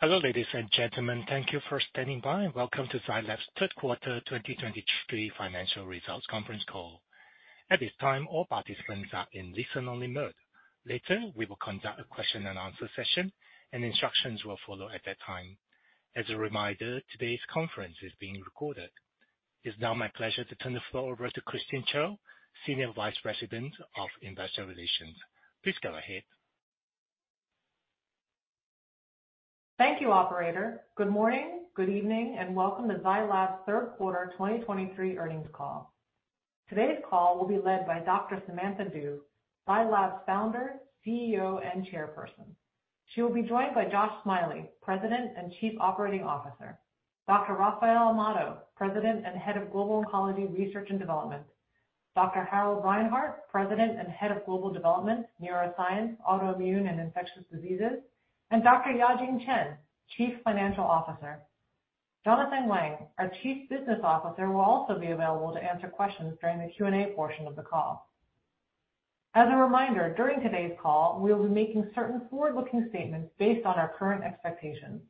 Hello, ladies and gentlemen. Thank you for standing by, and welcome to Zai Lab's Q3 2023 financial results conference call. At this time, all participants are in listen-only mode. Later, we will conduct a Q&A session, and instructions will follow at that time. As a reminder, today's conference is being recorded. It's now my pleasure to turn the floor over to Christine Chiou, Senior Vice President of Investor Relations. Please go ahead. Thank you, operator. Good morning, good evening, and welcome to Zai Lab's Q3 2023 earnings call. Today's call will be led by Dr. Samantha Du, Zai Lab's founder, CEO, and chairperson. She will be joined by Josh Smiley, President and Chief Operating Officer, Dr. Rafael Amado, President and Head of Global Oncology Research and Development, Dr. Harald Reinhart, President and Head of Global Development, Neuroscience, Autoimmune and Infectious Diseases, and Dr. Yajing Chen, Chief Financial Officer. Jonathan Wang, our Chief Business Officer, will also be available to answer questions during the Q&A portion of the call. As a reminder, during today's call, we will be making certain forward-looking statements based on our current expectations.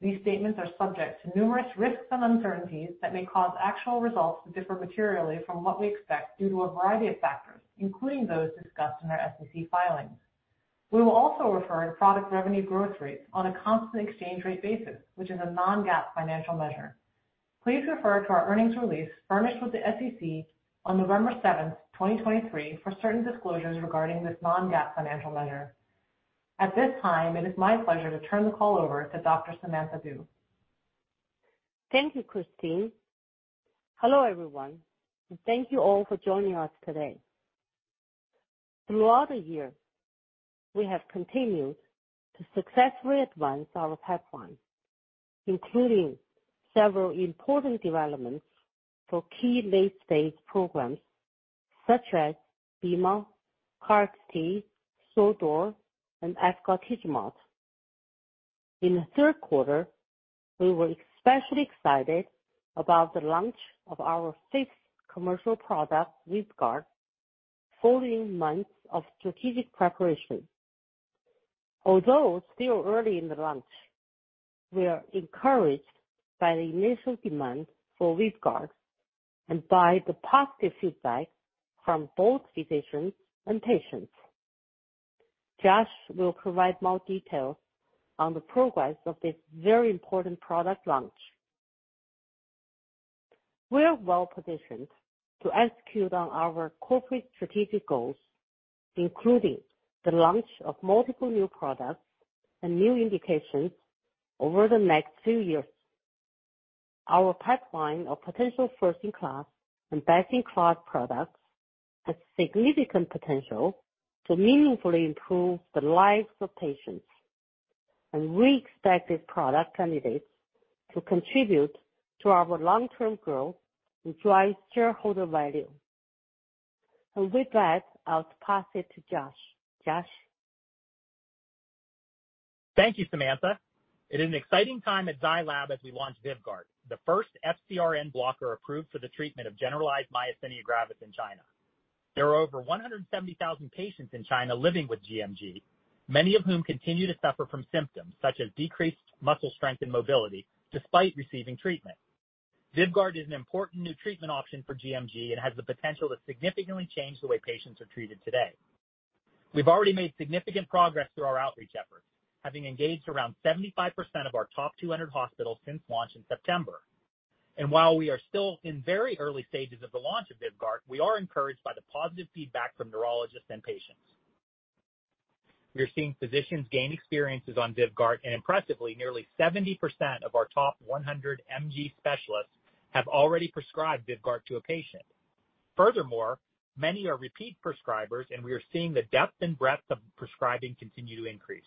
These statements are subject to numerous risks and uncertainties that may cause actual results to differ materially from what we expect due to a variety of factors, including those discussed in our SEC filings. We will also refer to product revenue growth rates on a constant exchange rate basis, which is a non-GAAP financial measure. Please refer to our earnings release furnished with the SEC on November 7th, 2023, for certain disclosures regarding this non-GAAP financial measure. At this time, it is my pleasure to turn the call over to Dr. Samantha Du. Thank you, Christine. Hello, everyone, and thank you all for joining us today. Throughout the year, we have continued to successfully advance our pipeline, including several important developments for key late-stage programs such as Bemarituzumab, KarXT, SUL-DUR, and Efgartigimod. In the Q3, we were especially excited about the launch of our sixth commercial product, VYVGART, following months of strategic preparation. Although still early in the launch, we are encouraged by the initial demand for VYVGART and by the positive feedback from both physicians and patients. Josh will provide more details on the progress of this very important product launch. We are well-positioned to execute on our corporate strategic goals, including the launch of multiple new products and new indications over the next few years. Our pipeline of potential first-in-class and best-in-class products has significant potential to meaningfully improve the lives of patients, and we expect these product candidates to contribute to our long-term growth and drive shareholder value. With that, I'll pass it to Josh. Josh? Thank you, Samantha. It is an exciting time at Zai Lab as we launch VYVGART, the first FcRn blocker approved for the treatment of generalized myasthenia gravis in China. There are over 170,000 patients in China living with gMG, many of whom continue to suffer from symptoms such as decreased muscle strength and mobility despite receiving treatment. VYVGART is an important new treatment option for gMG and has the potential to significantly change the way patients are treated today. We've already made significant progress through our outreach efforts, having engaged around 75% of our top 200 hospitals since launch in September. And while we are still in very early stages of the launch of VYVGART, we are encouraged by the positive feedback from neurologists and patients. We are seeing physicians gain experiences on VYVGART, and impressively, nearly 70% of our top 100 MG specialists have already prescribed VYVGART to a patient. Furthermore, many are repeat prescribers, and we are seeing the depth and breadth of prescribing continue to increase.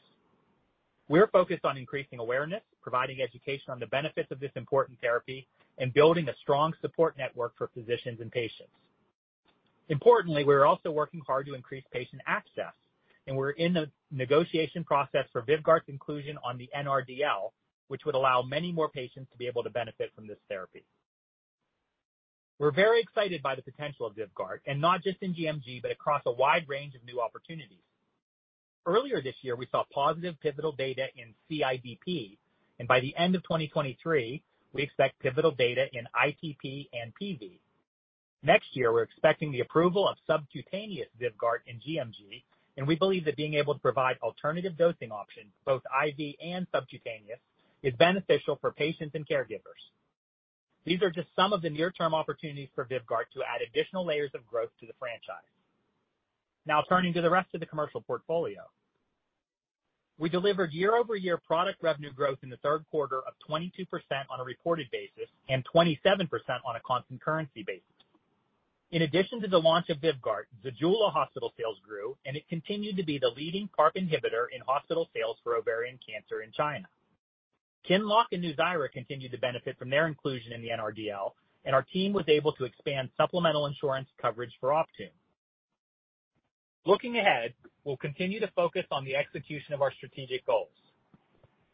We're focused on increasing awareness, providing education on the benefits of this important therapy, and building a strong support network for physicians and patients. Importantly, we are also working hard to increase patient access, and we're in the negotiation process for VYVGART's inclusion on the NRDL, which would allow many more patients to be able to benefit from this therapy. We're very excited by the potential of VYVGART, and not just in gMG, but across a wide range of new opportunities. Earlier this year, we saw positive pivotal data in CIDP, and by the end of 2023, we expect pivotal data in ITP and PV. Next year, we're expecting the approval of subcutaneous VYVGART in gMG, and we believe that being able to provide alternative dosing options, both IV and subcutaneous, is beneficial for patients and caregivers. These are just some of the near-term opportunities for VYVGART to add additional layers of growth to the franchise. Now, turning to the rest of the commercial portfolio. We delivered year-over-year product revenue growth in the Q3 of 22% on a reported basis and 27% on a constant currency basis. In addition to the launch of VYVGART, ZEJULA hospital sales grew, and it continued to be the leading PARP inhibitor in hospital sales for ovarian cancer in China. QINLOCK and NUZYRA continued to benefit from their inclusion in the NRDL, and our team was able to expand supplemental insurance coverage for Optune. Looking ahead, we'll continue to focus on the execution of our strategic goals.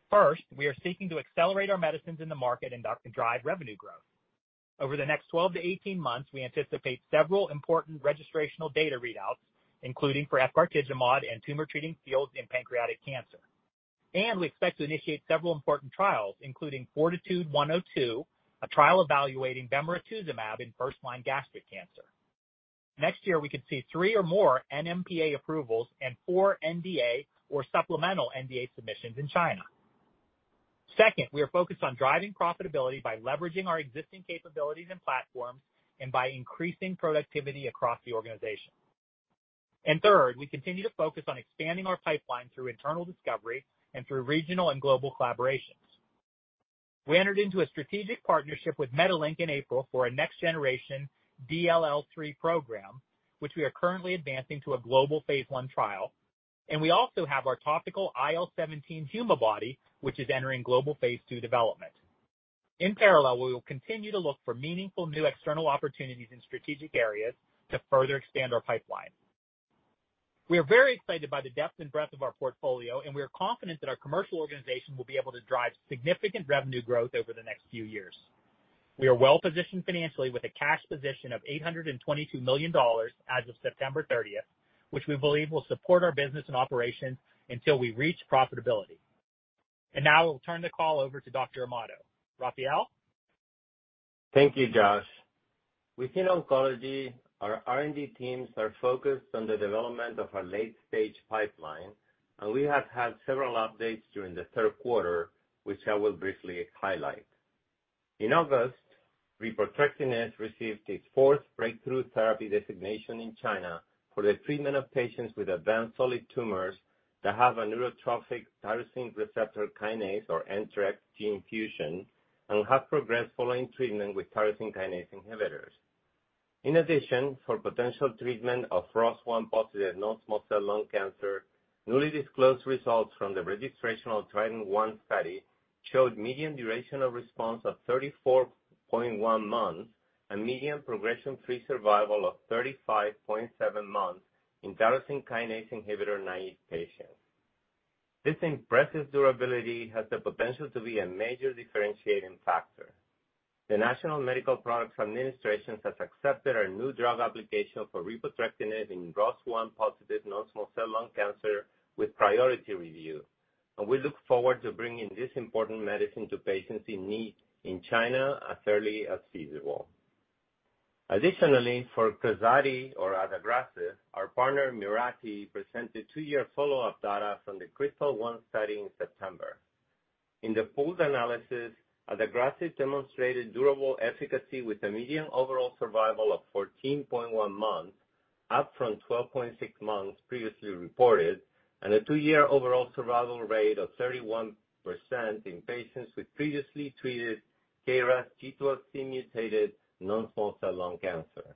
First, we are seeking to accelerate our medicines in the market and drive revenue growth. Over the next 12 to 18 months, we anticipate several important registrational data readouts, including for Efgartigimod and tumor-treating fields in pancreatic cancer. We expect to initiate several important trials, including FORTITUDE-102, a trial evaluating Bemarituzumab in first-line gastric cancer. Next year, we could see three or more NMPA approvals and four NDA or supplemental NDA submissions in China. Second, we are focused on driving profitability by leveraging our existing capabilities and platforms and by increasing productivity across the organization. And third, we continue to focus on expanding our pipeline through internal discovery and through regional and global collaborations. We entered into a strategic partnership with MediLink in April for a next-generation DLL3 program, which we are currently advancing to a global phase I trial, and we also have our topical IL-17 Humabody, which is entering global phase II development. In parallel, we will continue to look for meaningful new external opportunities in strategic areas to further expand our pipeline. We are very excited by the depth and breadth of our portfolio, and we are confident that our commercial organization will be able to drive significant revenue growth over the next few years. We are well-positioned financially with a cash position of $822 million as of September thirtieth, which we believe will support our business and operations until we reach profitability. Now I will turn the call over to Dr. Amado. Rafael? Thank you, Josh. Within oncology, our R&D teams are focused on the development of our late-stage pipeline, and we have had several updates during the Q3, which I will briefly highlight. In August, repotrectinib received its fourth breakthrough therapy designation in China for the treatment of patients with advanced solid tumors that have a neurotrophic tyrosine receptor kinase, or NTRK gene fusion, and have progressed following treatment with tyrosine kinase inhibitors. In addition, for potential treatment of ROS1-positive non-small cell lung cancer, newly disclosed results from the registrational TRIDENT-1 study showed median duration of response of 34.1 months and median progression-free survival of 35.7 months in tyrosine kinase inhibitor-naive patients. This impressive durability has the potential to be a major differentiating factor. The National Medical Products Administration has accepted our new drug application for repotrectinib in ROS1-positive non-small cell lung cancer with priority review, and we look forward to bringing this important medicine to patients in need in China as early as feasible. Additionally, for Krazati, or adagrasib, our partner, Mirati, presented two-year follow-up data from the KRYSTAL-1 study in September. In the pooled analysis, adagrasib demonstrated durable efficacy with a median overall survival of 14.1 months, up from 12.6 months previously reported, and a two-year overall survival rate of 31% in patients with previously treated KRAS G12C mutated non-small cell lung cancer.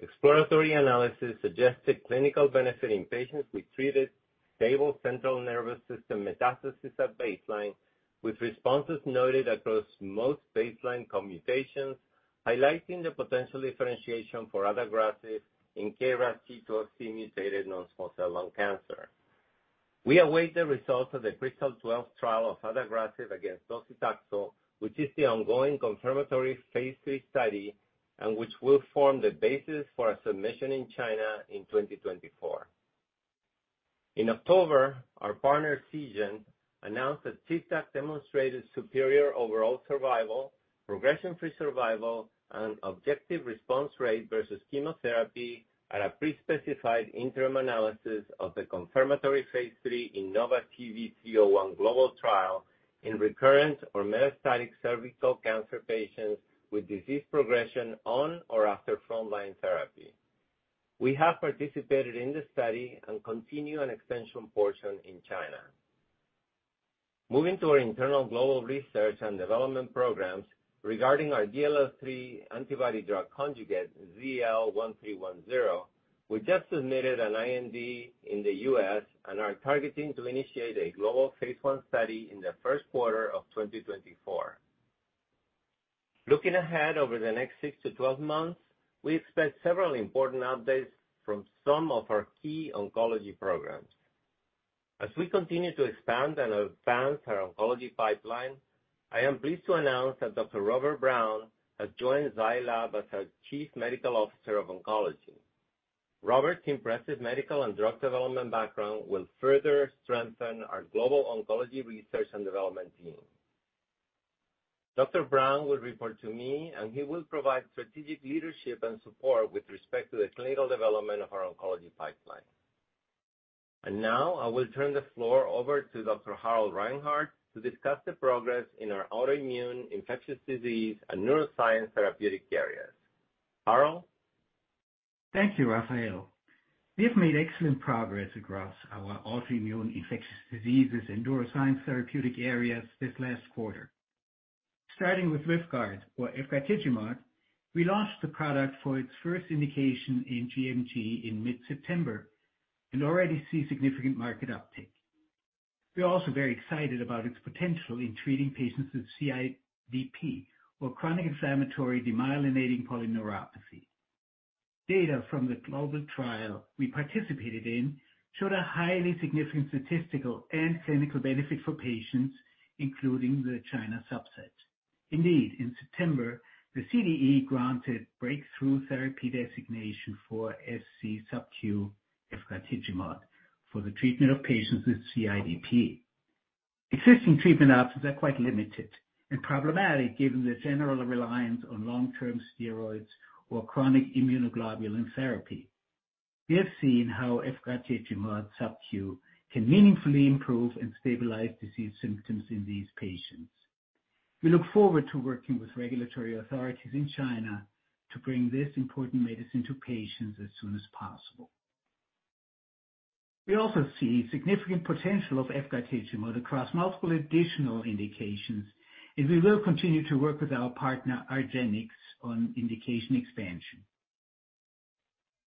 Exploratory analysis suggested clinical benefit in patients with treated stable central nervous system metastasis at baseline, with responses noted across most baseline co-mutations, highlighting the potential differentiation for adagrasib in KRAS G12C mutated non-small cell lung cancer. We await the results of the KRYSTAL-12 trial of adagrasib against docetaxel, which is the ongoing confirmatory phase III study and which will form the basis for a submission in China in 2024. In October, our partner, Seagen, announced that TIVDAK demonstrated superior overall survival, progression-free survival, and objective response rate versus chemotherapy at a pre-specified interim analysis of the confirmatory phase III innovaTV 301 global trial in recurrent or metastatic cervical cancer patients with disease progression on or after frontline therapy. We have participated in the study and continue an extension portion in China. Moving to our internal global research and development programs regarding our DLL3 antibody drug conjugate, ZL-1310, we just submitted an IND in the U.S. and are targeting to initiate a global phase I study in the Q1 of 2024. Looking ahead, over the next 6 to 12 months, we expect several important updates from some of our key oncology programs. As we continue to expand and advance our oncology pipeline, I am pleased to announce that Dr. Robert Brown has joined Zai Lab as our Chief Medical Officer of Oncology. Robert's impressive medical and drug development background will further strengthen our global oncology research and development team. Dr. Brown will report to me, and he will provide strategic leadership and support with respect to the clinical development of our oncology pipeline. And now I will turn the floor over to Dr. Harald Reinhart to discuss the progress in our autoimmune, infectious disease, and neuroscience therapeutic areas. Harald? Thank you, Rafael. We have made excellent progress across our autoimmune, infectious diseases, and neuroscience therapeutic areas this last quarter. Starting with VYVGART, or Efgartigimod, we launched the product for its first indication in gMG in mid-September and already see significant market uptake. We are also very excited about its potential in treating patients with CIDP, or chronic inflammatory demyelinating polyneuropathy. Data from the global trial we participated in showed a highly significant statistical and clinical benefit for patients, including the China subset. Indeed, in September, the CDE granted breakthrough therapy designation for SC subq Efgartigimod for the treatment of patients with CIDP. Existing treatment options are quite limited and problematic, given the general reliance on long-term steroids or chronic immunoglobulin therapy. We have seen how Efgartigimod subq can meaningfully improve and stabilize disease symptoms in these patients. We look forward to working with regulatory authorities in China to bring this important medicine to patients as soon as possible. We also see significant potential of Efgartigimod across multiple additional indications, and we will continue to work with our partner, Argenx, on indication expansion.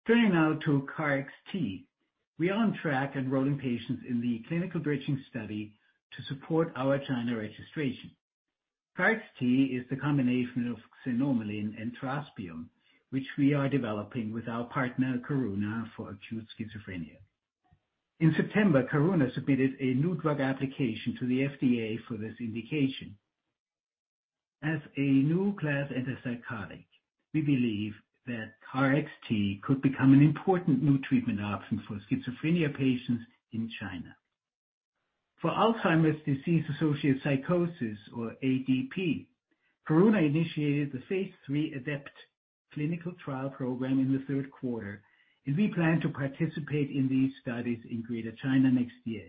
Turning now to KarXT. We are on track enrolling patients in the clinical bridging study to support our China registration. KarXT is the combination of xanomeline and trospium, which we are developing with our partner, Karuna, for acute schizophrenia. In September, Karuna submitted a new drug application to the FDA for this indication. As a new class antipsychotic, we believe that KarXT could become an important new treatment option for schizophrenia patients in China. For Alzheimer's disease associated psychosis, or ADP, Karuna initiated the phase III ADEPT clinical trial program in the Q3, and we plan to participate in these studies in Greater China next year.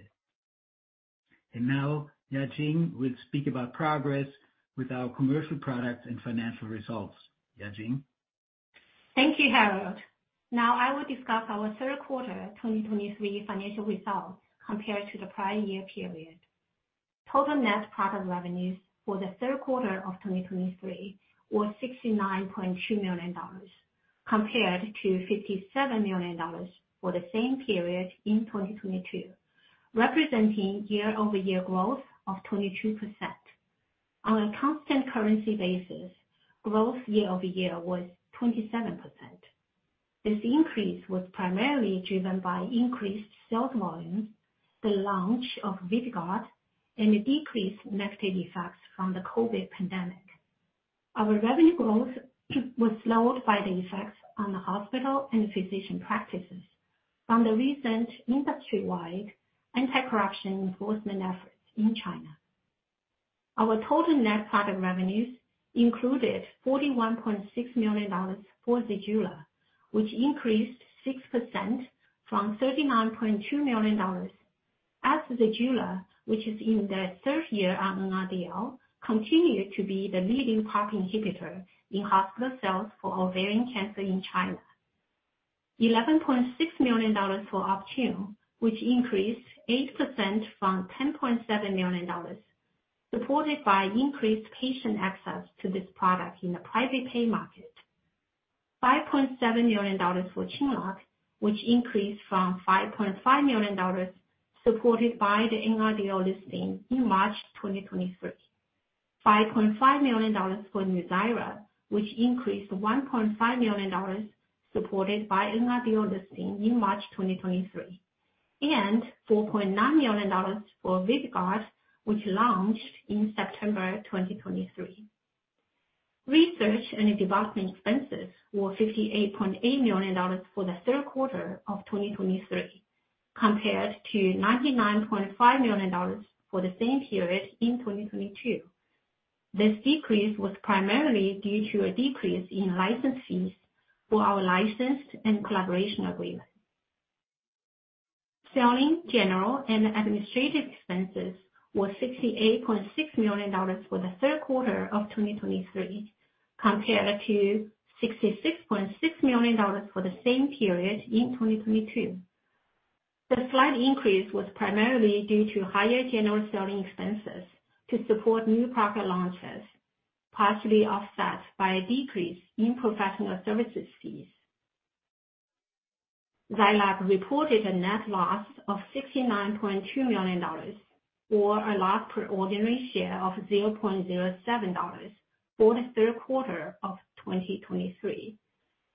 Now, Yajing will speak about progress with our commercial products and financial results. Yajing? Thank you, Harald. Now I will discuss our Q3 2023 financial results compared to the prior year period. Total net product revenues for the Q3 of 2023 were $69.2 million, compared to $57 million for the same period in 2022, representing year-over-year growth of 22%. On a constant currency basis, growth year-over-year was 27%. This increase was primarily driven by increased sales volumes, the launch of VYVGART, and a decreased negative effects from the COVID pandemic. Our revenue growth was slowed by the effects on the hospital and physician practices from the recent industry-wide anti-corruption enforcement efforts in China. Our total net product revenues included $41.6 million for ZEJULA, which increased 6% from $39.2 million, as ZEJULA, which is in the third year on NRDL, continued to be the leading PARP inhibitor in hospital sales for ovarian cancer in China. $11.6 million for Optune, which increased 8% from $10.7 million, supported by increased patient access to this product in the private pay market. $5.7 million for QINLOCK, which increased from $5.5 million, supported by the NRDL listing in March 2023. $5.5 million for NUZYRA, which increased $1.5 million, supported by NRDL listing in March 2023, and $4.9 million for VYVGART, which launched in September 2023. Research and development expenses were $58.8 million for the Q3 of 2023, compared to $99.5 million for the same period in 2022. This decrease was primarily due to a decrease in license fees for our licensed and collaboration agreement. Selling, general, and administrative expenses were $68.6 million for the Q3 of 2023, compared to $66.6 million for the same period in 2022. The slight increase was primarily due to higher general selling expenses to support new product launches, partially offset by a decrease in professional services fees. Lab reported a net loss of $69.2 million, or a loss per ordinary share of $0.007 for the Q3 of 2023,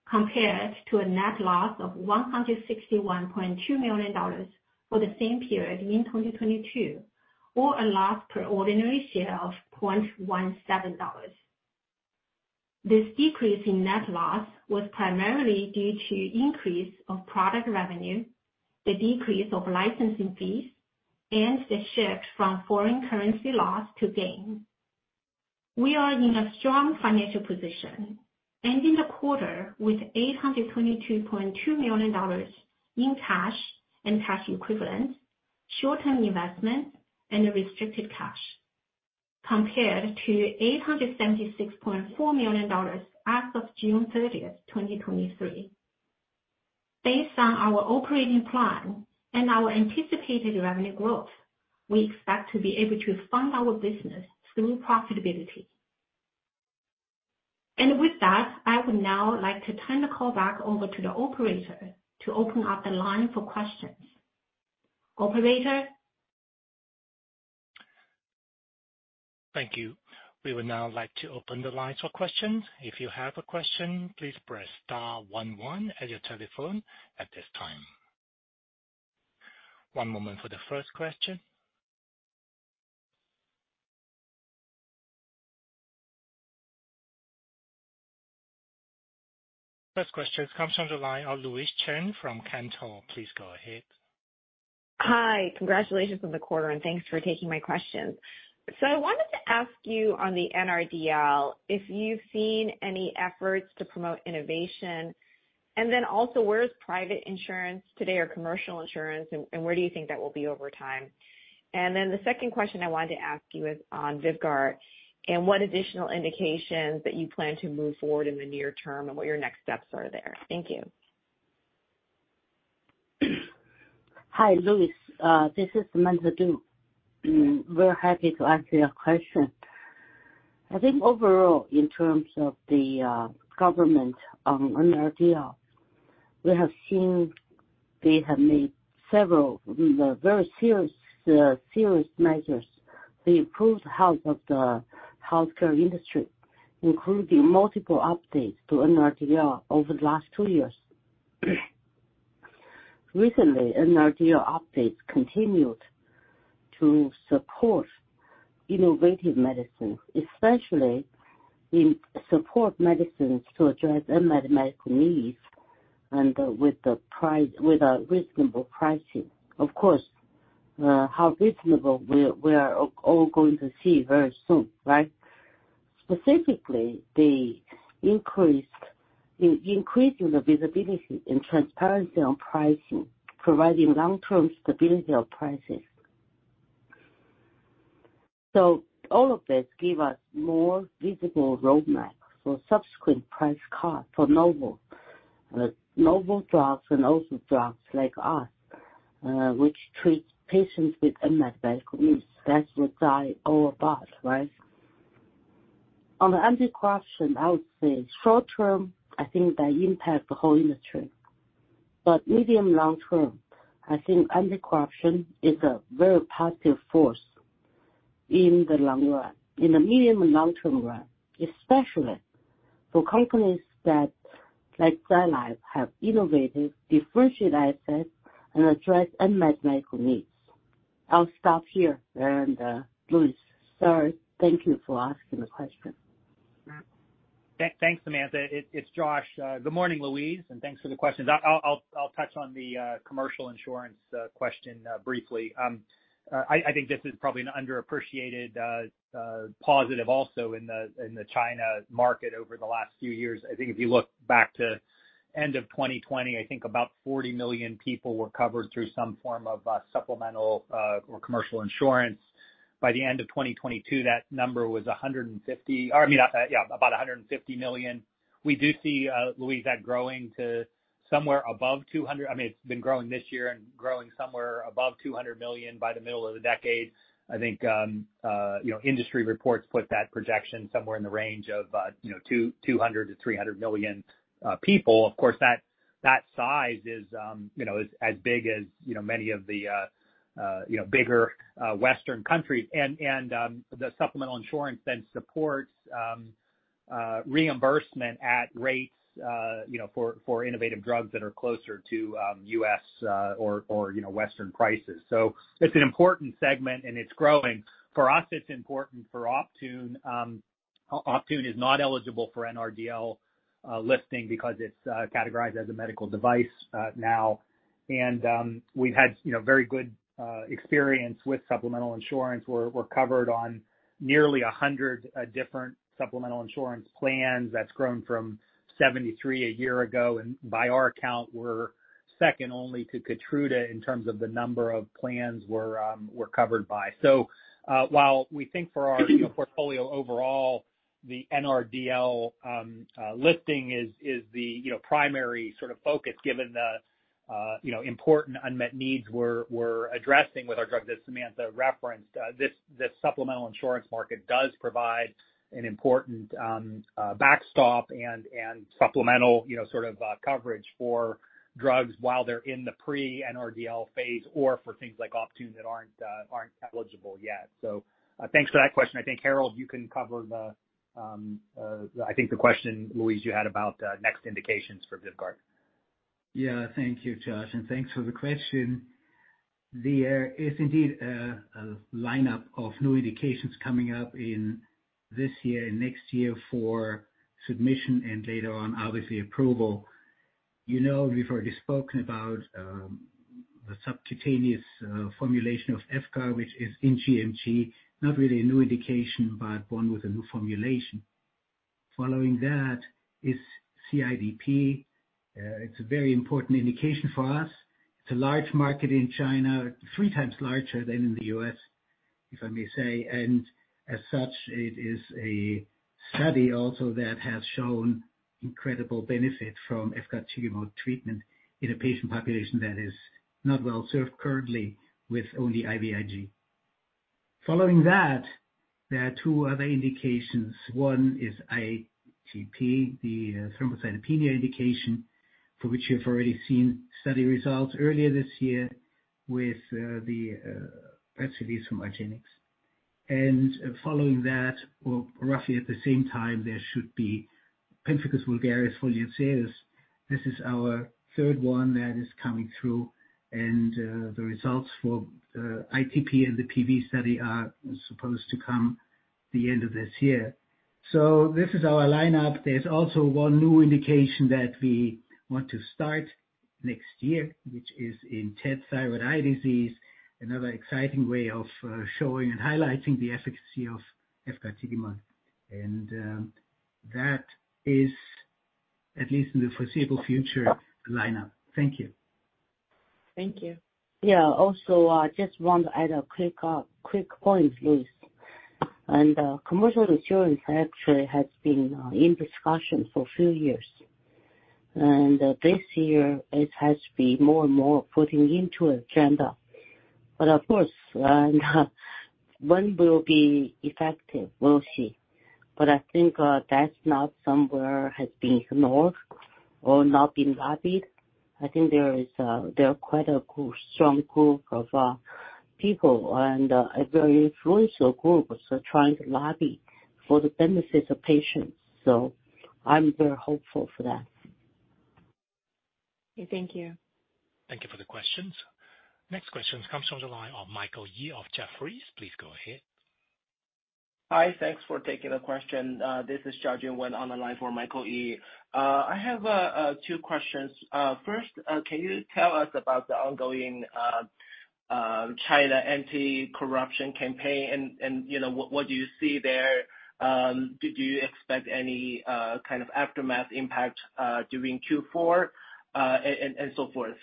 compared to a net loss of $161.2 million for the same period in 2022, or a loss per ordinary share of $0.17. This decrease in net loss was primarily due to increase of product revenue, the decrease of licensing fees, and the shift from foreign currency loss to gain. We are in a strong financial position, ending the quarter with $822.2 million in cash and cash equivalents, short-term investments, and restricted cash, compared to $876.4 million as of June 30th, 2023. Based on our operating plan and our anticipated revenue growth, we expect to be able to fund our business through profitability. With that, I would now like to turn the call back over to the operator to open up the line for questions. Operator? Thank you. We would now like to open the lines for questions. If you have a question, please press star one one at your telephone at this time. One moment for the first question. First question comes from the line of Louise Chen from Cantor. Please go ahead. Hi. Congratulations on the quarter, and thanks for taking my questions. I wanted to ask you on the NRDL, if you've seen any efforts to promote innovation, and then also, where is private insurance today or commercial insurance, and, and where do you think that will be over time? The second question I wanted to ask you is on VYVGART, and what additional indications that you plan to move forward in the near term and what your next steps are there? Thank you. Hi, Louise. This is Samantha Du. We're happy to answer your question. I think overall, in terms of the government on NRDL, we have seen they have made several very serious measures to improve the health of the healthcare industry, including multiple updates to NRDL over the last two years. Recently, NRDL updates continued to support innovative medicines, especially in support medicines to address unmet medical needs and with a reasonable pricing. Of course, how reasonable we are, we are all going to see very soon, right? Specifically, they increased in increasing the visibility and transparency on pricing, providing long-term stability of prices. So all of this give us more visible roadmap for subsequent price cut for novel drugs and also drugs like us, which treat patients with unmet medical needs, that's the deal all about, right? On the anti-corruption, I would say short term, I think they impact the whole industry. But medium, long term, I think anti-corruption is a very positive force in the long run, in the medium and long-term run, especially for companies that, like Zai Lab, have innovative, differentiated assets and address unmet medical needs. I'll stop here, and, Louise, sorry. Thank you for asking the question. Thanks, Samantha. It's Josh. Good morning, Louise, and thanks for the questions. I'll touch on the commercial insurance question briefly. I think this is probably an underappreciated positive also in the China market over the last few years. I think if you look back to end of 2020, I think about 40 million people were covered through some form of supplemental or commercial insurance. By the end of 2022, that number was a 150. Or, I mean, yeah, about 150 million. We do see, Louise, that growing to somewhere above 200. I mean, it's been growing this year and growing somewhere above 200 million by the middle of the decade. I think, you know, industry reports put that projection somewhere in the range of, you know, 200 million to 300 million people. Of course, that size is, you know, as big as, you know, many of the, you know, bigger Western countries. The supplemental insurance then supports reimbursement at rates, you know, for innovative drugs that are closer to U.S. or Western prices. So it's an important segment, and it's growing. For us, it's important for Optune. Optune is not eligible for NRDL listing because it's categorized as a medical device now. We've had, you know, very good experience with supplemental insurance. We're covered on nearly 100 different supplemental insurance plans. That's grown from 73 a year ago, and by our count, we're second only to Keytruda in terms of the number of plans we're covered by. So, while we think for our, you know, portfolio overall, the NRDL listing is the, you know, primary sort of focus, given the, you know, important unmet needs we're addressing with our drug that Samantha referenced, this supplemental insurance market does provide an important backstop and supplemental, you know, sort of coverage for drugs while they're in the pre-NRDL phase or for things like Optune that aren't eligible yet. So, thanks for that question. I think, Harald, you can cover the question, Louise, you had about next indications for VYVGART. Yeah. Thank you, Josh, and thanks for the question. There is indeed a lineup of new indications coming up in this year and next year for submission, and later on, obviously, approval. You know, we've already spoken about the subcutaneous formulation of VYVGART, which is in gMG, not really a new indication, but one with a new formulation. Following that is CIDP. It's a very important indication for us. It's a large market in China, three times larger than in the U.S., if I may say, and as such, it is a study also that has shown incredible benefit from VYVGART treatment in a patient population that is not well served currently with only IVIG. Following that, there are two other indications. One is ITP, the thrombocytopenia indication, for which you've already seen study results earlier this year with the RC from Argenx. And following that, or roughly at the same time, there should be pemphigus vulgaris foliaceus. This is our third one that is coming through, and the results for ITP and the PV study are supposed to come the end of this year. So this is our lineup. There's also one new indication that we want to start next year, which is in thyroid eye disease, another exciting way of showing and highlighting the efficacy of Efgartigimod. And that is at least in the foreseeable future lineup. Thank you. Thank you. Yeah, also, just want to add a quick, quick point, please. Commercial insurance actually has been in discussion for a few years. This year, it has been more and more putting into agenda. But of course, when will be effective? We'll see. But I think, that's not somewhere has been ignored or not been lobbied. I think there is, there are quite a group, strong group of, people and, a very influential group trying to lobby for the benefits of patients. So I'm very hopeful for that. Okay, thank you. Thank you for the questions. Next question comes from the line of Michael Yee of Jefferies. Please go ahead. Hi, thanks for taking the question. This is Jiajun Wen on the line for Michael Yee. I have two questions. First, can you tell us about the ongoing China anti-corruption campaign and, and, you know, what, what do you see there? Did you expect any kind of aftermath impact during Q4, and so forth?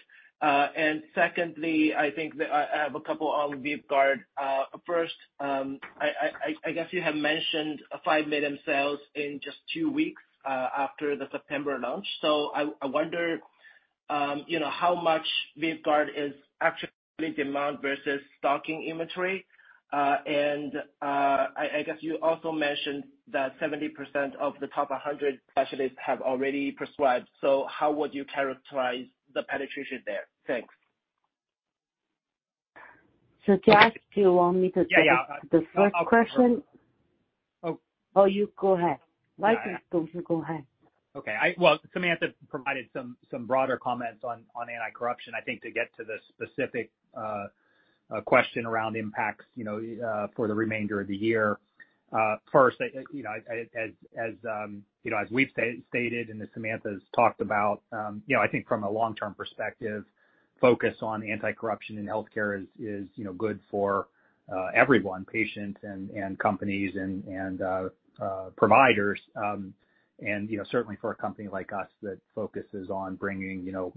And secondly, I think that I have a couple on VYVGART. First, I guess you have mentioned $5 million sales in just two weeks after the September launch. So I wonder, you know, how much VYVGART is actually demand versus stocking inventory? And I guess you also mentioned that 70% of the top 100 specialists have already prescribed, so how would you characterize the penetration there? Thanks. So, Josh, do you want me to take Yeah, yeah. the first question? Oh. Oh, you go ahead. All right. Why don't you, go, go ahead. Okay. Well, Samantha provided some broader comments on anti-corruption. I think to get to the specific question around impacts, you know, for the remainder of the year. First, you know, as we've stated, and as Samantha's talked about, you know, I think from a long-term perspective, focus on anti-corruption in healthcare is, you know, good for everyone, patients and companies and providers. And, you know, certainly for a company like us that focuses on bringing, you know,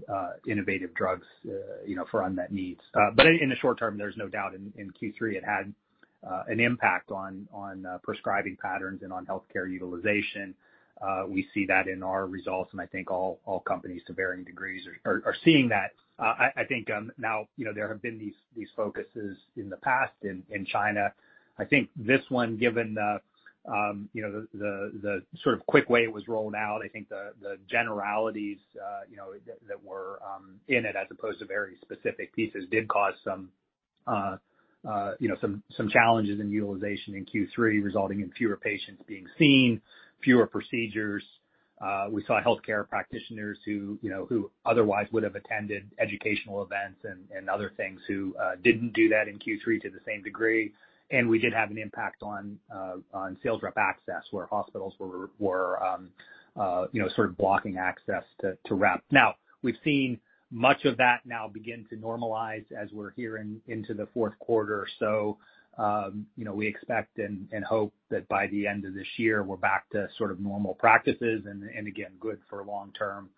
innovative drugs, you know, for unmet needs. But in the short term, there's no doubt in Q3, it had an impact on prescribing patterns and on healthcare utilization. We see that in our results, and I think all companies to varying degrees are seeing that. I think, now, you know, there have been these focuses in the past in China. I think this one, given the, you know, the sort of quick way it was rolled out, I think the generalities, you know, that were in it, as opposed to very specific pieces, did cause some, you know, some challenges in utilization in Q3, resulting in fewer patients being seen, fewer procedures. We saw healthcare practitioners who, you know, who otherwise would have attended educational events and other things, who didn't do that in Q3 to the same degree. And we did have an impact on sales rep access, where hospitals were blocking access to reps. Now, we've seen much of that now begin to normalize as we're here into the Q4. So, you know, we expect and hope that by the end of this year, we're back to sort of normal practices and again, good for long-term,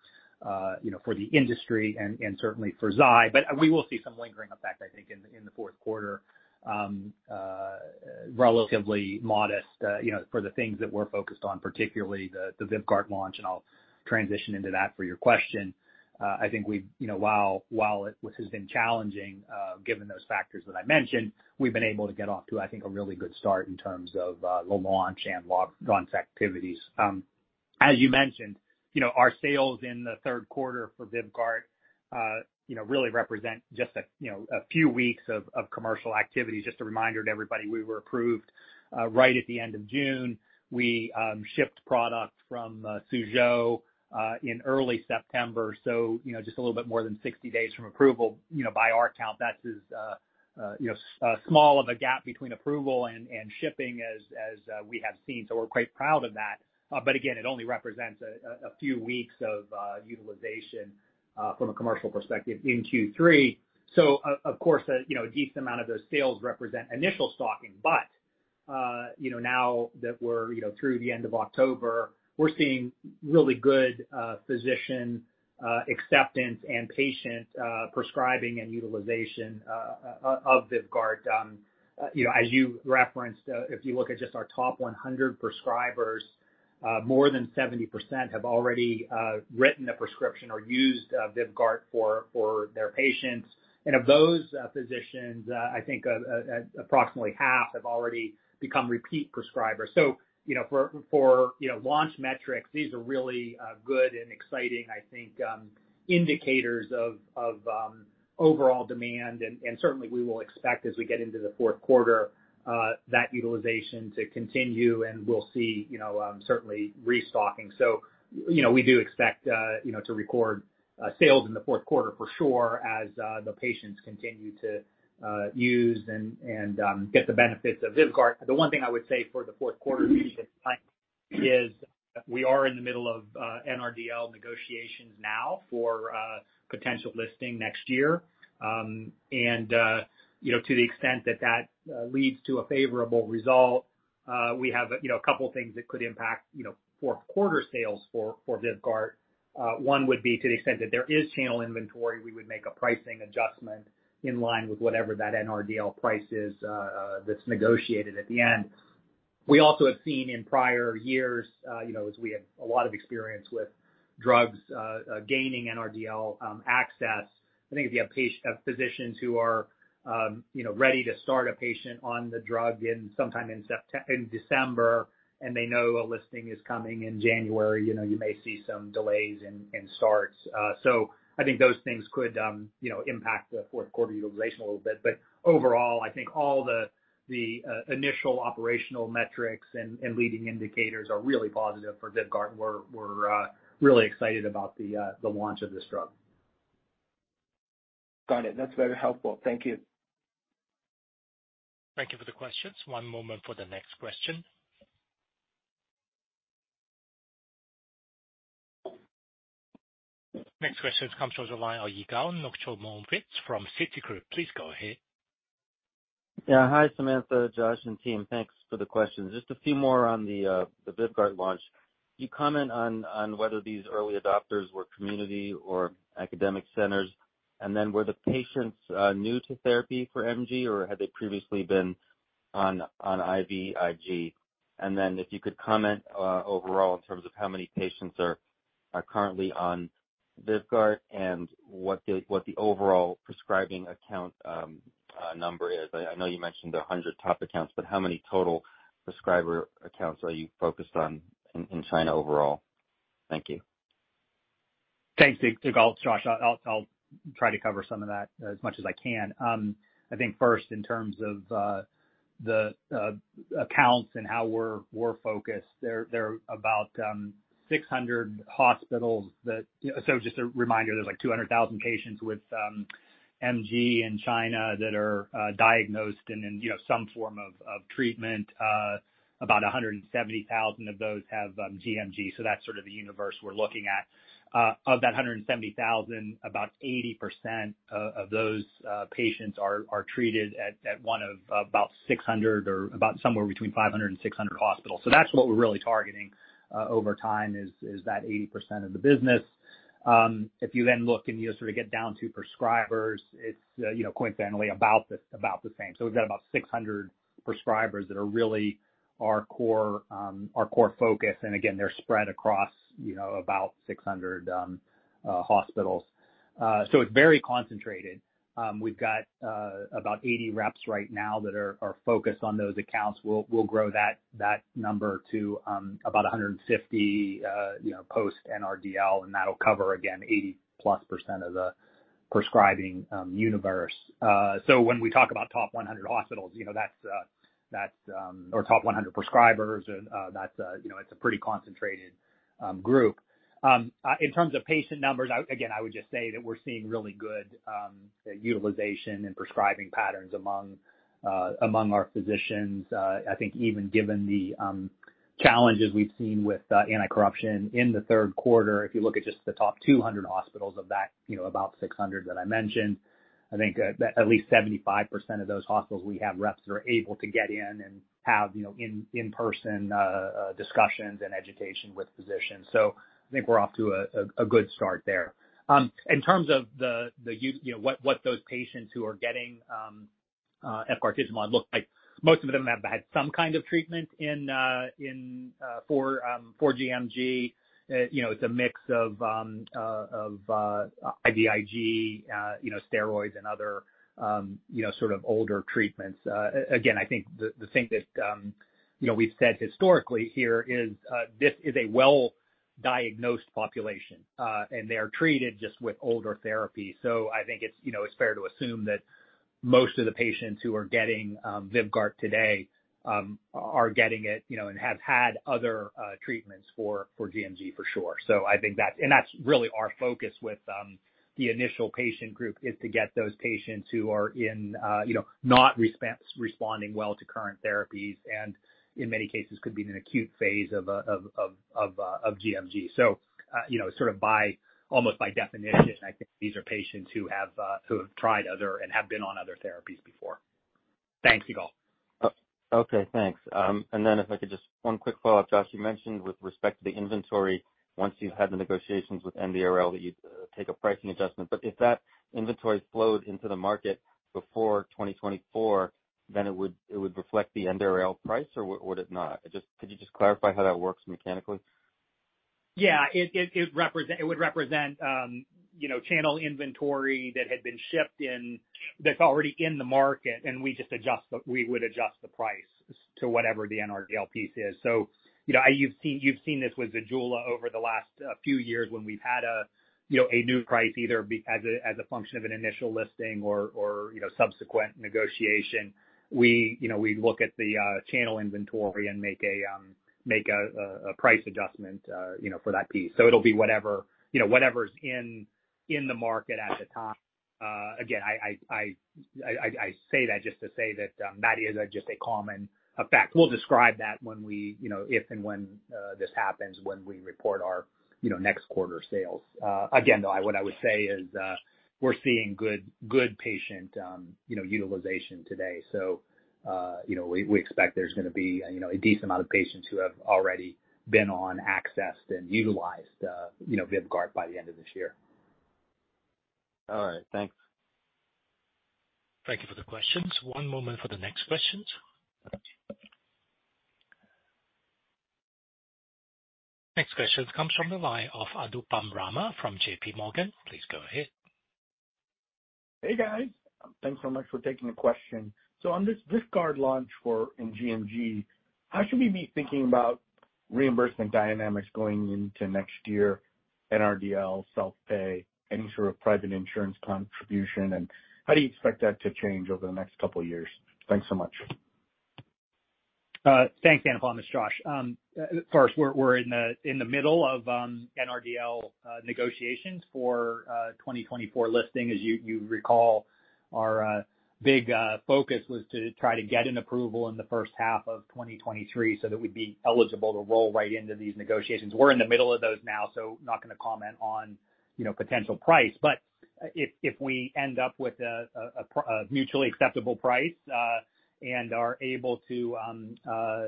you know, for the industry and certainly for Zai. But we will see some lingering effect, I think, in the Q4, relatively modest, you know, for the things that we're focused on, particularly the VYVGART launch, and I'll transition into that for your question. I think we've, you know, while it, which has been challenging, given those factors that I mentioned, we've been able to get off to, I think, a really good start in terms of the launch and launch activities. As you mentioned, you know, our sales in the Q3 for VYVGART, you know, really represent just a, you know, a few weeks of commercial activity. Just a reminder to everybody, we were approved right at the end of June. We shipped product from Suzhou in early September, so you know, just a little bit more than 60 days from approval. You know, by our count, that is, you know, small of a gap between approval and shipping as we have seen, so we're quite proud of that. But again, it only represents a few weeks of utilization from a commercial perspective in Q3. So of course, you know, a decent amount of those sales represent initial stocking, but you know, now that we're, you know, through the end of October, we're seeing really good physician acceptance and patient prescribing and utilization of VYVGART. You know, as you referenced, if you look at just our top 100 prescribers, more than 70% have already written a prescription or used VYVGART for their patients. And of those physicians, I think approximately half have already become repeat prescribers. So, you know, for launch metrics, these are really good and exciting, I think, indicators of overall demand. And certainly we will expect as we get into the Q4, that utilization to continue and we'll see, you know, certainly restocking. So, you know, we do expect, you know, to record sales in the Q4 for sure, as the patients continue to use and get the benefits of VYVGART. The one thing I would say for the Q4 is we are in the middle of NRDL negotiations now for potential listing next year. And, you know, to the extent that that leads to a favorable result, we have, you know, a couple things that could impact, you know, Q4 sales for VYVGART. One would be to the extent that there is channel inventory, we would make a pricing adjustment in line with whatever that NRDL price is, that's negotiated at the end. We also have seen in prior years, you know, as we have a lot of experience with drugs, gaining NRDL access, I think if you have physicians who are, you know, ready to start a patient on the drug sometime in December, and they know a listing is coming in January, you know, you may see some delays in starts. So I think those things could, you know, impact the Q4 utilization a little bit. But overall, I think all the initial operational metrics and leading indicators are really positive for VYVGART, and we're really excited about the launch of this drug. Got it. That's very helpful. Thank you. Thank you for the questions. One moment for the next question. Next question comes from the line of Yigal Nochomovitz from Citigroup. Please go ahead. Yeah. Hi, Samantha, Josh, and team. Thanks for the questions. Just a few more on the VYVGART launch. You comment on whether these early adopters were community or academic centers, and then were the patients new to therapy for MG, or had they previously been on IVIG? And then if you could comment overall, in terms of how many patients are currently on VYVGART and what the overall prescribing account number is. I know you mentioned 100 top accounts, but how many total prescriber accounts are you focused on in China overall? Thank you. Thanks Yigal, Josh. I'll try to cover some of that as much as I can. I think first in terms of the accounts and how we're focused, there are about 600 hospitals that. So just a reminder, there's like 200,000 patients with MG in China that are diagnosed and in, you know, some form of treatment, about 170,000 of those have gMG, so that's sort of the universe we're looking at. Of that 170,000, about 80% of those patients are treated at one of about 600 or about somewhere between 500 and 600 hospitals. So that's what we're really targeting over time is that 80% of the business. If you then look and you sort of get down to prescribers, it's, you know, coincidentally about the, about the same. So we've got about 600 prescribers that are really our core, our core focus, and again, they're spread across, you know, about 600 hospitals. So it's very concentrated. We've got about 80 reps right now that are, are focused on those accounts. We'll, we'll grow that, that number to about 150, you know, post-NRDL, and that'll cover, again, 80+% of the prescribing universe. So when we talk about top 100 hospitals, you know, that's, that's, or top 100 prescribers, that's a, you know, it's a pretty concentrated group. In terms of patient numbers, I, again, I would just say that we're seeing really good utilization and prescribing patterns among our physicians. I think even given the challenges we've seen with anti-corruption in the Q3, if you look at just the top 200 hospitals of that, you know, about 600 that I mentioned, I think at least 75% of those hospitals, we have reps that are able to get in and have, you know, in-person discussions and education with physicians. So I think we're off to a good start there. In terms of the, you know, what those patients who are getting Efgartigimod look like, most of them have had some kind of treatment in for gMG. You know, it's a mix of IVIG, you know, steroids and other, you know, sort of older treatments. Again, I think the thing that, you know, we've said historically here is, this is a well-diagnosed population, and they are treated just with older therapy. So I think it's, you know, it's fair to assume that most of the patients who are getting VYVGART today are getting it, you know, and have had other treatments for gMG, for sure. So I think that. And that's really our focus with the initial patient group, is to get those patients who are in, you know, not responding well to current therapies, and in many cases, could be in an acute phase of gMG. You know, sort of, almost by definition, I think these are patients who have tried other and have been on other therapies before. Thanks, Yigal. Okay, thanks. And then if I could just one quick follow-up, Josh. You mentioned with respect to the inventory, once you've had the negotiations with NRDL, that you'd take a pricing adjustment. But if that inventory flowed into the market before 2024, then it would reflect the NRDL price or would it not? Just, could you just clarify how that works mechanically? Yeah, it would represent, you know, channel inventory that had been shipped in, that's already in the market, and we would adjust the price to whatever the NRDL piece is. So, you know, I, you've seen this with ZEJULA over the last few years when we've had a, you know, a new price, either as a function of an initial listing or, you know, subsequent negotiation. We, you know, we look at the channel inventory and make a price adjustment, you know, for that piece. So it'll be whatever, you know, whatever's in the market at the time. Again, I say that just to say that, that is just a common effect. We'll describe that when we, you know, if and when, this happens, when we report our, you know, next quarter sales. Again, though, what I would say is, we're seeing good, good patient, you know, utilization today. So, you know, we, we expect there's gonna be, you know, a decent amount of patients who have already been on, accessed, and utilized, you know, VYVGART by the end of this year. All right. Thanks. Thank you for the questions. One moment for the next questions. Next question comes from the line of Adit Pammara from JPMorgan. Please go ahead. Hey, guys. Thanks so much for taking the question. So on this VYVGART launch for gMG, how should we be thinking about reimbursement dynamics going into next year, NRDL, self-pay, any sort of private insurance contribution? And how do you expect that to change over the next couple years? Thanks so much. Thanks, Adit. This is Josh. Of course, we're in the middle of NRDL negotiations for 2024 listing. As you recall, our big focus was to try to get an approval in the first half of 2023, so that we'd be eligible to roll right into these negotiations. We're in the middle of those now, so not gonna comment on, you know, potential price. But if we end up with a mutually acceptable price, and are able to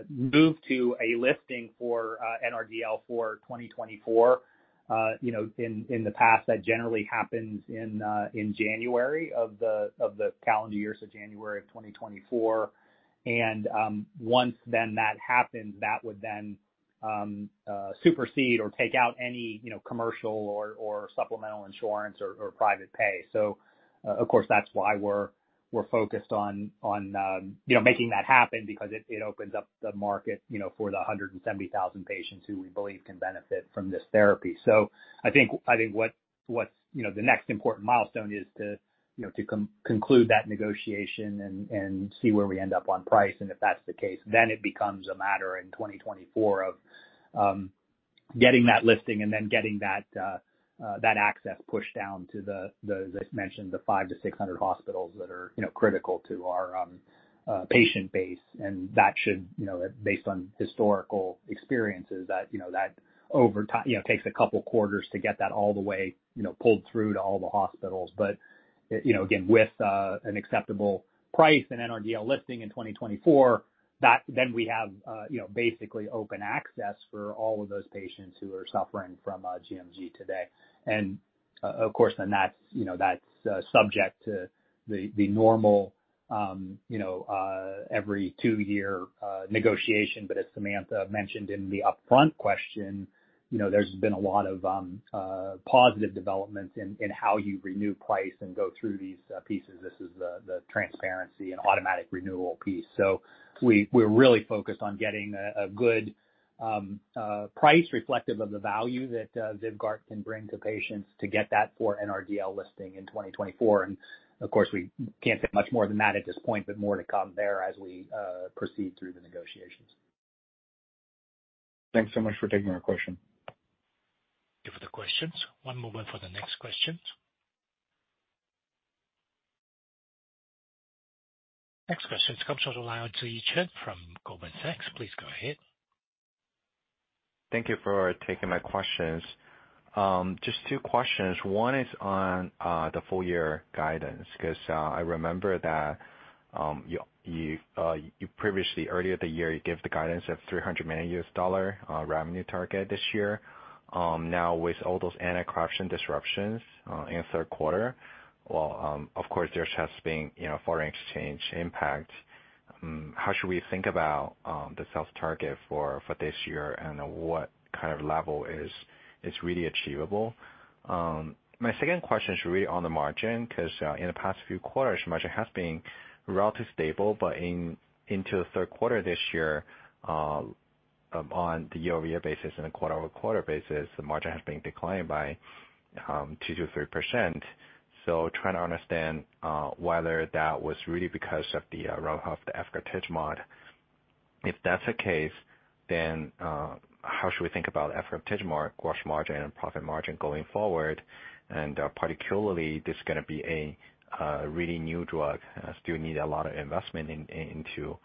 move to a listing for NRDL for 2024, you know, in the past, that generally happens in January of the calendar year, so January of 2024. Once then that happens, that would then supersede or take out any, you know, commercial or supplemental insurance or private pay. So, of course, that's why we're focused on you know, making that happen because it opens up the market, you know, for the 170,000 patients who we believe can benefit from this therapy. So I think what's, you know, the next important milestone is to, you know, to conclude that negotiation and see where we end up on price, and if that's the case, then it becomes a matter in 2024 of getting that listing and then getting that access pushed down to the, as I mentioned, the 500 to 600 hospitals that are, you know, critical to our patient base. And that should, you know, based on historical experiences, over time, you know, takes a couple quarters to get that all the way, you know, pulled through to all the hospitals. But, you know, again, with an acceptable price, an NRDL listing in 2024, that then we have, you know, basically open access for all of those patients who are suffering from gMG today. And, of course, then that's, you know, that's subject to the normal, you know, every two-year negotiation. But as Samantha mentioned in the upfront question, you know, there's been a lot of positive developments in how you renew price and go through these pieces. This is the transparency and automatic renewal piece. So we're really focused on getting a good price reflective of the value that VYVGART can bring to patients to get that for NRDL listing in 2024, and of course, we can't say much more than that at this point, but more to come there as we proceed through the negotiations. Thanks so much for taking our question. Thank you for the questions. One moment for the next questions. Next question comes from the line of Ziyi Chen from Goldman Sachs. Please go ahead. Thank you for taking my questions. Just two questions. One is on the full year guidance, 'cause I remember that you previously, earlier the year, you gave the guidance of $300 million revenue target this year. Now with all those anti-corruption disruptions in the Q3, well, of course, there has been, you know, foreign exchange impact. How should we think about the sales target for this year, and what kind of level is really achievable? My second question is really on the margin, 'cause in the past few quarters, margin has been relatively stable, but into the Q3 this year, on the year-over-year basis and a quarter-over-quarter basis, the margin has been declined by 2% to 3%. So trying to understand whether that was really because of the rollout of the Efgartigimod. If that's the case, then how should we think about Efgartigimod gross margin and profit margin going forward? And particularly, this is gonna be a really new drug, still need a lot of investment into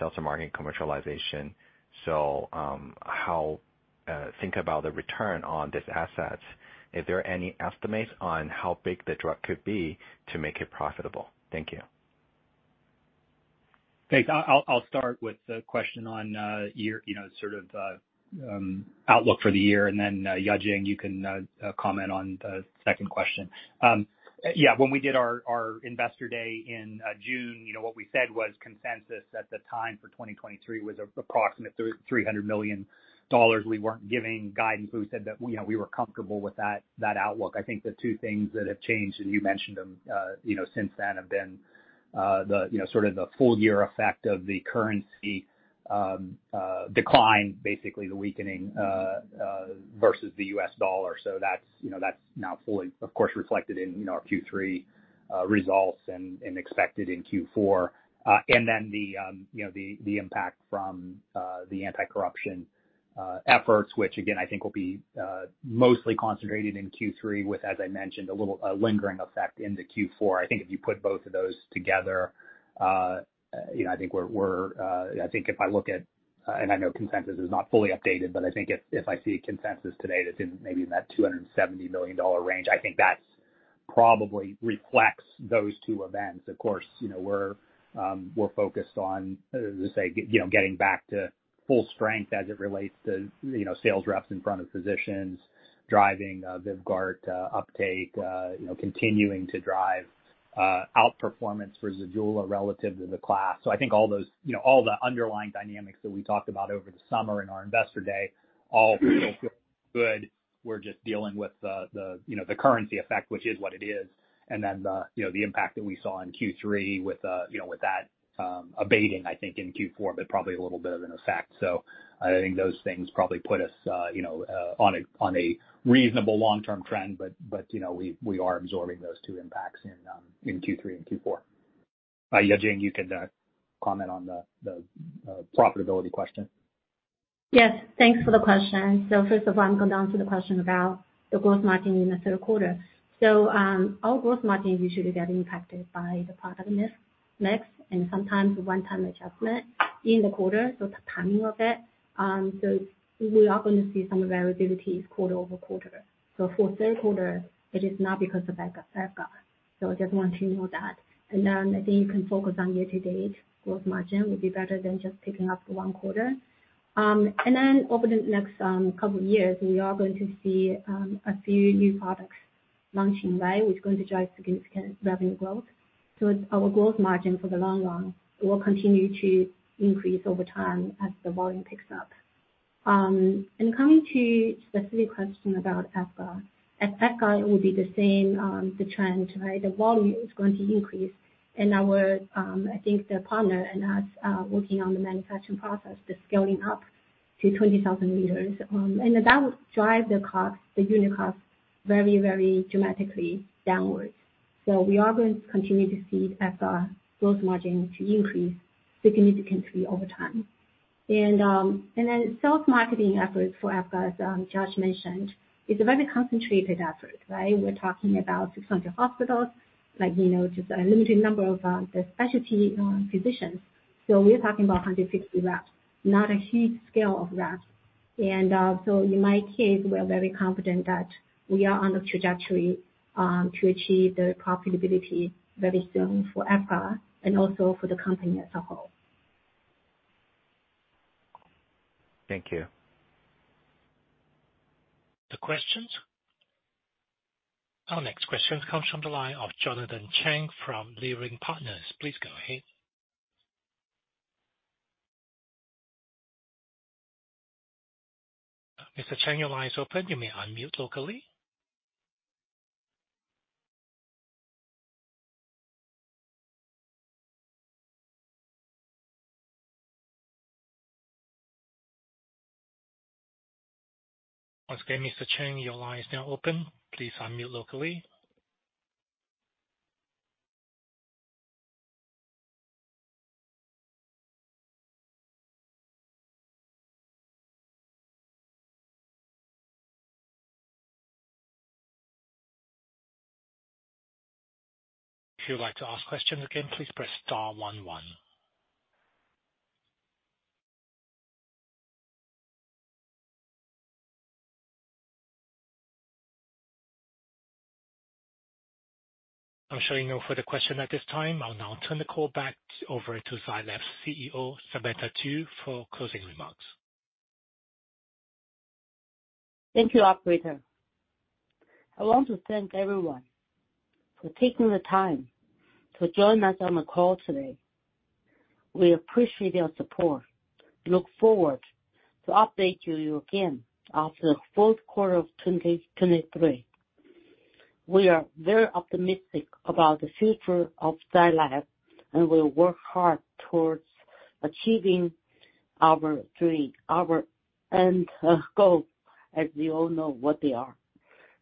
sales and marketing commercialization. So how think about the return on this asset? Is there any estimates on how big the drug could be to make it profitable? Thank you. Thanks. I'll start with the question on year, you know, sort of, outlook for the year, and then, Yajing, you can comment on the second question. Yeah, when we did our investor day in June, you know, what we said was consensus at the time for 2023 was approximately $300 million. We weren't giving guidance, but we said that, you know, we were comfortable with that outlook. I think the two things that have changed, and you mentioned them, you know, since then, have been the full year effect of the currency decline, basically the weakening versus the U.S. dollar. So that's, you know, that's now fully, of course, reflected in our Q3 results and expected in Q4. And then the, you know, the impact from the anti-corruption efforts, which again, I think will be mostly concentrated in Q3 with, as I mentioned, a little lingering effect into Q4. I think if you put both of those together, you know, I think we're, I think if I look at, and I know consensus is not fully updated, but I think if I see a consensus today, that's in maybe in that $270 million range, I think that's probably reflects those two events. Of course, you know, we're focused on, as I say, you know, getting back to full strength as it relates to, you know, sales reps in front of physicians, driving VYVGART uptake, you know, continuing to drive outperformance for ZEJULA relative to the class. So I think all those, you know, all the underlying dynamics that we talked about over the summer in our investor day, all feel good. We're just dealing with the, you know, the currency effect, which is what it is, and then the, you know, the impact that we saw in Q3 with, you know, with that abating, I think, in Q4, but probably a little bit of an effect. So I think those things probably put us, you know, on a reasonable long-term trend, but, you know, we are absorbing those two impacts in Q3 and Q4. Yajing, you could comment on the profitability question. Yes, thanks for the question. So first of all, I'm going down to the question about the growth margin in the Q3. So, our growth margin usually get impacted by the product mix, and sometimes one-time adjustment in the quarter, so the timing of it. So we are going to see some variabilities quarter-over-quarter. So for Q3, it is not because of Efgartigimod. So I just want to know that. And then I think you can focus on year-to-date, growth margin would be better than just picking up one quarter. And then over the next couple of years, we are going to see a few new products launching, right? Which is going to drive significant revenue growth. So our growth margin for the long run will continue to increase over time as the volume picks up. Coming to specific question about VYVGART. At VYVGART, it will be the same, the trend, right? The volume is going to increase. And our, I think the partner and us working on the manufacturing process, the scaling up to 20,000 liters, and that will drive the cost, the unit cost very, very dramatically downwards. So we are going to continue to see VYVGART growth margin to increase significantly over time. And then sales marketing efforts for VYVGART, as Josh mentioned, is a very concentrated effort, right? We're talking about 600 hospitals, like, you know, just a limited number of the specialty physicians. So we're talking about 160 reps, not a huge scale of reps. In my case, we're very confident that we are on the trajectory to achieve the profitability very soon for Efgartigimod and also for the company as a whole. Thank you. Our next question comes from the line of Jonathan Chang from Leerink Partners. Please go ahead. Mr. Chang, your line is open. You may unmute locally. Once again, Mr. Cheng, your line is now open. Please unmute locally. If you'd like to ask questions again, please press star one one. I'm showing no further question at this time. I'll now turn the call back over to Zai Lab's CEO, Samantha Du, for closing remarks. Thank you, operator. I want to thank everyone for taking the time to join us on the call today. We appreciate your support. Look forward to update you again after the Q4 of 2023. We are very optimistic about the future of Zai Lab, and we work hard towards achieving our dream, our end, goal, as we all know what they are.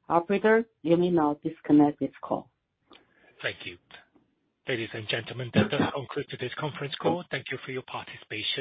Operator, you may now disconnect this call. Thank you. Ladies and gentlemen, that does conclude today's conference call. Thank you for your participation.